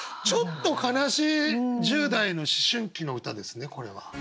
ちょっと悲しい１０代の思春期の歌ですねこれは。